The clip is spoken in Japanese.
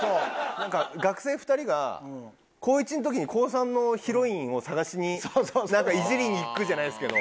なんか学生２人が高１の時に高３のヒロインを探しになんかイジりに行くじゃないですけど。